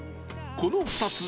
［この２つ］